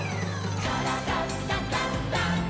「からだダンダンダン」